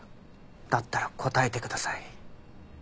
だったら答えてください。